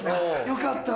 よかった。